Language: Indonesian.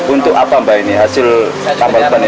untuk apa mbak ini hasil tambal ban ini